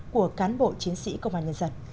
của cán bộ chiến sĩ công an nhân dân